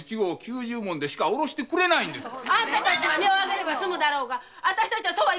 あんたたちは値上げすれば済むだろうがこっちはそうは。